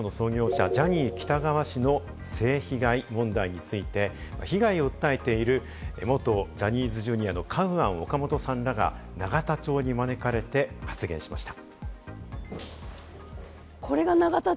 ジャニーズ事務所の創業者・ジャニー喜多川氏の性被害問題について、被害を訴えている元ジャニーズＪｒ．のカウアン・オカモトさんらが永田町に招かれて発言しました。